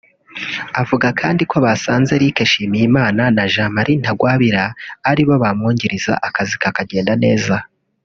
Avuga kandi ko basanze Eric Nshimiyimana na Jean Marie Ntagwabira ari bo bamwungiriza akazi kakagenda neza